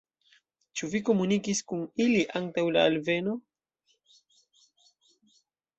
Ĉu vi komunikis kun ili antaŭ la alveno?